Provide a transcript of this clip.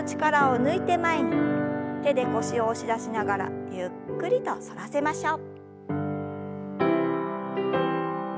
手で腰を押し出しながらゆっくりと反らせましょう。